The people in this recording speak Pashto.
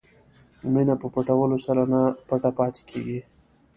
مینه په پټولو سره نه پټه پاتې کېږي.